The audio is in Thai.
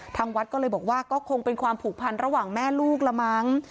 ทางวัดก็เลยบอกว่าก็คงเป็นความผูกพันระหว่างแม่ลูกละมั้ง